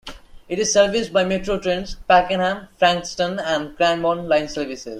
It is serviced by Metro Trains' Pakenham, Frankston, and Cranbourne line services.